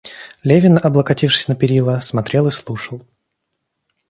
Левин, облокотившись на перила, смотрел и слушал.